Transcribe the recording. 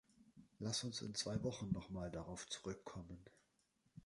Lass uns in zwei Wochen nochmal darauf zurückkommen.